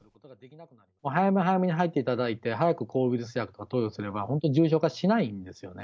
早め早めに入っていただいて、早く抗ウイルス薬を投与すれば、本当、重症化しないんですよね。